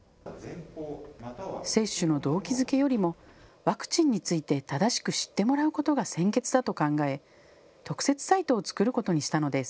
接種の動機づけよりもワクチンについて正しく知ってもらうことが先決だと考え、特設サイトを作ることにしたのです。